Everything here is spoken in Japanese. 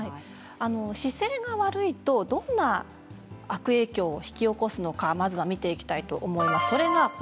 姿勢が悪いとどんな悪影響を引き起こすのかまずは見ていきたいと思います。